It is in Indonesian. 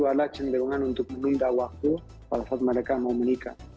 hal hal itu cenderung untuk menunda waktu untuk mereka memunika